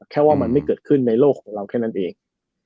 แค่ว่ามันไม่เกิดขึ้นในโลกของเราแค่นั้นเอง